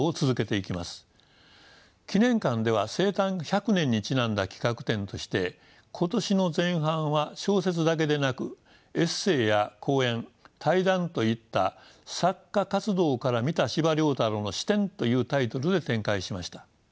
記念館では生誕１００年にちなんだ企画展として今年の前半は小説だけでなくエッセーや講演対談といった作家活動から見た「司馬太郎の視点」というタイトルで展開しました。